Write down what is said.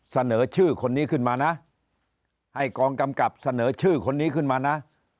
เสนอชื่อคนนี้ขึ้นมานะให้กองกำกับเสนอชื่อคนนี้ขึ้นมานะ